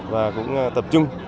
và cũng tập trung